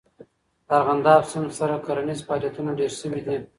د ارغنداب سیند سره کرنیز فعالیتونه ډېر سوي دي.